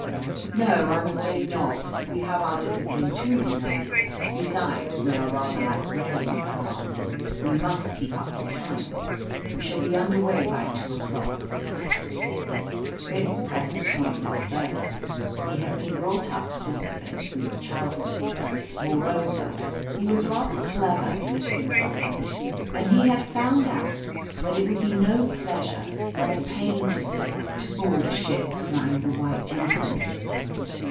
"No, I am afraid not. We have our discipline too, you know. Besides, we are rather like railway guards. We must keep up to time. We shall be under way by two o'clock." Fitz pressed the point no further. He had been brought up to discipline since childhood moreover, he was rather clever in a simple way, and he had found out that it would be no pleasure but a pain to Luke to board a ship flying the white ensign.